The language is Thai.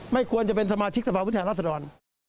ไม่ควรจะเป็นสมาชิกสภาพุทธิภาพราษฎร